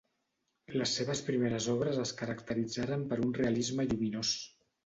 Les seves primeres obres es caracteritzaren per un realisme lluminós.